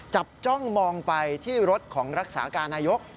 จ้องมองไปที่รถของรักษาการนายก